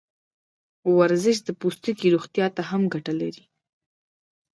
ورزش د پوستکي روغتیا ته هم ګټه لري.